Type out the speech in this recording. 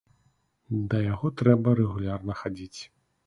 Да яго трэба рэгулярна хадзіць.